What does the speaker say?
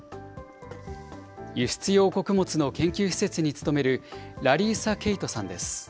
輸出用穀物の研究施設に勤める、ラリーサ・ケイトさんです。